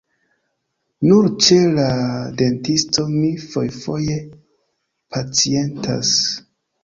Nur ĉe la dentisto mi fojfoje pacientas.